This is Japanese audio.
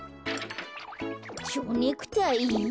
ちょうネクタイ？